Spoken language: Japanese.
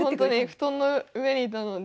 布団の上にいたので。